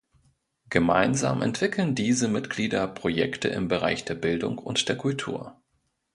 Gemeinsam entwickeln diese Mitglieder Projekte im Bereich der Bildung und der Kultur.